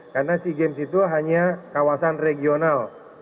karena sea games itu hanya kawasan regional